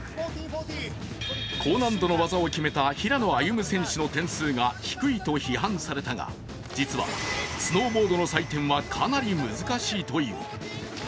高難度の技を決めた平野歩夢選手の点数が低いとされたが実は、スノーボードの採点はかなり難しいという。